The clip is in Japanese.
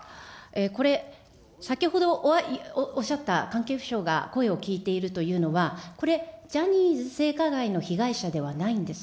これ、先ほどおっしゃった、関係府省が声を聞いているというのは、これ、ジャニーズ性加害の被害者ではないんです。